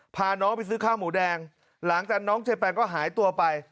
พาน้องไปซื้อข้าวหมูแดงหลังจากนั้นน้องเจแปงก็หายตัวไป